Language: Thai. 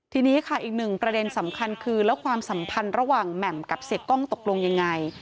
ทีนี้ค่ะอีกหนึ่งประเด็นสำคัญคือแล้วความสัมพันธ์ระหว่างแหม่มกับเสียกล้องตกลงยังไง